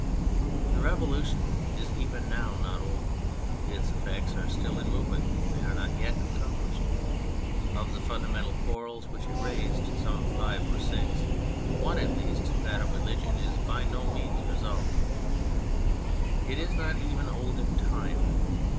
The Revolution is even now not old. Its effects are still in movement ; they are not yet accomplished. Of the fundamental quarrels which it raised (some five or six) one at least, that of religion, is by no means resolved. It is not even old in time.